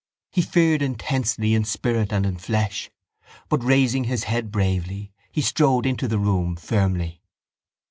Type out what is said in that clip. He feared intensely in spirit and in flesh but, raising his head bravely, he strode into the room firmly.